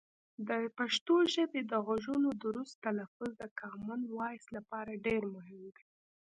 د پښتو ژبې د غږونو درست تلفظ د کامن وایس لپاره ډېر مهم دی.